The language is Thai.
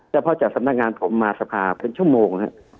เฉพาะจากสำนักงานผมมาสภาพเป็นชั่วโมง